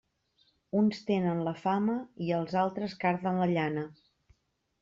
Uns tenen la fama i els altres carden la llana.